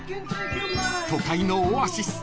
［都会のオアシス